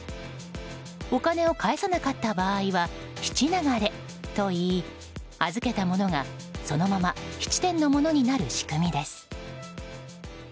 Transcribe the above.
お金を返さなかった場合は質流れといい預けたものがそのまま質店のものになる仕組みです。